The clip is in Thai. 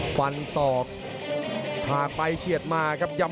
ฟันศอกผ่าไปเฉียดมาครับ